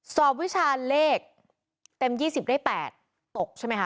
สอบวิชาเลขเต็ม๒๐เลข๘ตกใช่ไหมคะ